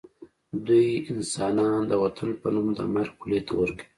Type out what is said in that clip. دوی انسانان د وطن په نوم د مرګ خولې ته ورکوي